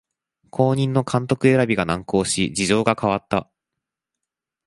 後任の監督選びが難航し事情が変わった